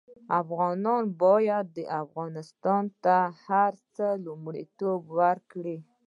افغانان باید افغانستان ته له هر څه لومړيتوب ورکړي